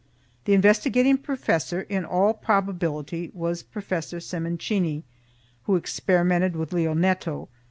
The investigating professor in all probability, was Professor Sementini, who experimented with Lionetto.